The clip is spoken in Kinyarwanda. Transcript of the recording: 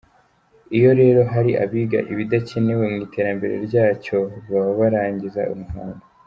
Iyo rero hari abiga ibidakenewe mu iterambere ryacyo, baba barangiza umuhango.